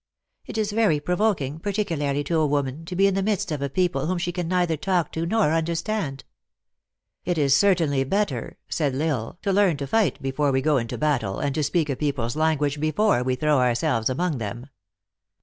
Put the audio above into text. It is very provoking, partic ularly to a woman, to be in the midst of a people whom she can neither talk to nor understand." " It is certainly better," said L Isle, " to learn to fight before we go into battle, and to speak a THE ACTRESS IN HIGH LIFE. 49 people s language before we throw ourselves among them."